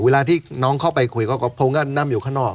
เวลาที่น้องเข้าไปคุยก็ผมก็นั่งอยู่ข้างนอก